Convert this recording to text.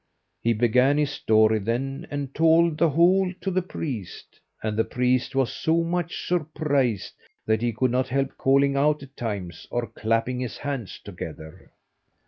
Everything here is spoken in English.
He began his story then, and told the whole to the priest, and the priest was so much surprised that he could not help calling out at times, or clapping his hands together.